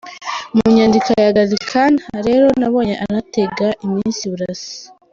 Mu nyandiko ya Gallican rero nabonye anatega iminsi Burasa.